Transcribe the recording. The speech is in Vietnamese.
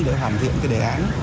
để hoàn thiện cái đề án